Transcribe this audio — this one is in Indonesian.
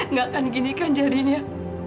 nggak akan ginikan jadinya